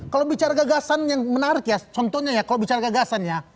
kalau bicara gagasan yang menarik ya contohnya ya kalau bicara gagasan ya